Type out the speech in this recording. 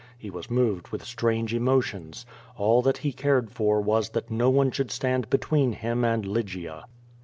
He was moved with strange emotions. All that he cared for was that no one should stand between him and Lygia.